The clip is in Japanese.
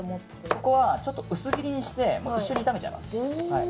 そこはちょっと薄切りにして一緒に炒めちゃいます。